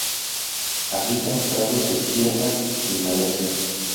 Habita en prados de siega y malezas.